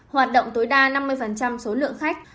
hoạt động tối đa năm mươi số lượng khách